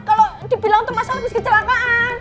kalau dibilang itu masalah misk kecelakaan